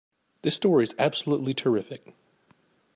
This story is absolutely terrific!